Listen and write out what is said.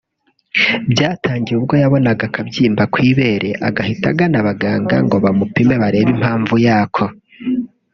Byatangiye ubwo yabonaga akabyimba ku ibere agahita agana abaganga ngo bamupime barebe impamvu yako